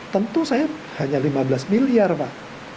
tentu saya hanya lima belas miliar pak